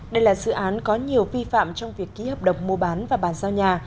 đây là dự án có nhiều vi phạm trong việc ký hợp đồng mua bán và bàn giao nhà